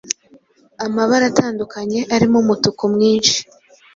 amabara atandukanye arimo umutuku mwinshi,